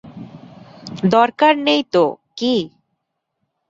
দরকার নেই তো কী?